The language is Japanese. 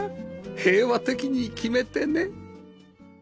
平和的に決めてね